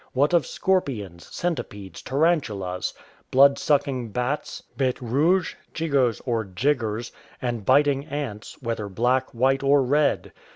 What of scorpions, centipedes, tarantulas, blood sucking bats, hetes rouges^ chigoes or "jiggers,'' and biting ants, whether black, white, or red